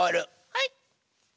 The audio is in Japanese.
はい！